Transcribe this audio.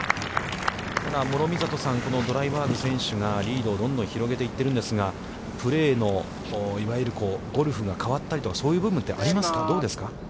諸見里さん、このドライバーグ選手がリードをどんどん広げていってるんですが、プレーのいわゆるゴルフが変わったりとか、そういう部分ってありますか、どうですか。